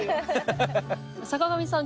坂上さん